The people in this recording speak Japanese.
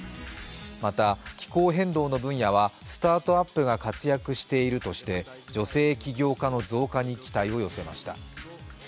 また気候変動の分野はスタートアップが活躍しているとして女性起業家の増加に期待を寄せました。